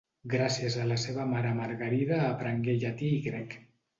Gràcies a la seva mare Margarida aprengué llatí i grec.